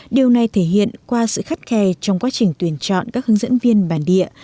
điều này thể hiện qua sự khắt khe trong quá trình tuyển chọn các hướng dẫn viên bản địa